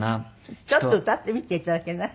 ちょっと歌ってみて頂けない？